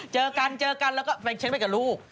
เจอกันแล้วก็แฟนเช็คไปกับลูก